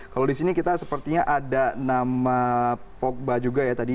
kalau di sini kita sepertinya ada nama pogba juga ya tadi